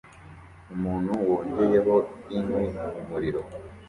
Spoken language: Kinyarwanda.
umuntu wongeyeho inkwi mumuriro